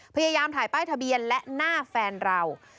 พยายามถ่ายป้ายทะเบียนและหน้าแฟนเรา